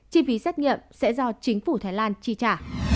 chi phí xét nghiệm sẽ do chính phủ thái lan chi trả